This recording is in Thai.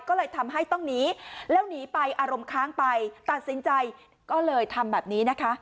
ก็เลยทำให้ต้องหนีแล้วหนีไปอารมณ์ค้างไปตัดสินใจก็เลยทำแบบนี้นะคะ